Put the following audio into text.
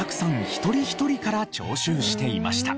一人一人から徴収していました。